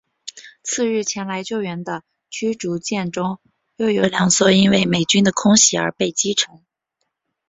次日前来救援的驱逐舰中又有两艘因为美军的空袭而被击沉。